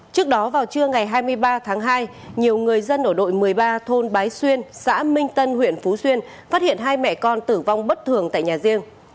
trước đó vào trưa ngày hai mươi ba tháng hai nhiều người dân ở đội một mươi ba thôn bái xuyên xã minh tân huyện phú xuyên phát hiện hai mẹ con tử vong bất thường tại nhà riêng